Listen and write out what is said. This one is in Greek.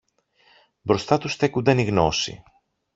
Μπροστά του στέκουνταν η Γνώση.